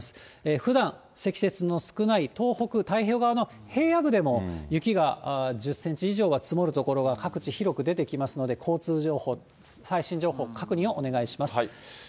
ふだん積雪の少ない東北、太平洋側の平野部でも雪が１０センチ以上は積もる所が各地広く出てきますので、交通情報、最新情報、確認をお願いします。